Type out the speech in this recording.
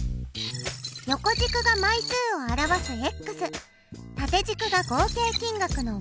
横軸が枚数を表す縦軸が合計金額の。